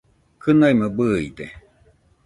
Kɨnaimo bɨide